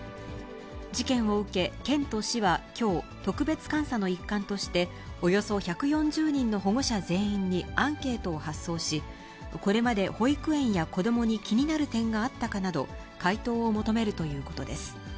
事件を受け、県と市はきょう、特別監査の一環として、およそ１４０人の保護者全員にアンケートを発送し、これまで保育園や子どもに気になる点があったかなど、回答を求めるということです。